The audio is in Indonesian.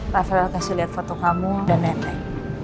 rafael kasih liat foto kamu dan nenek